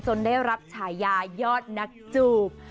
ได้รับฉายายอดนักจูบ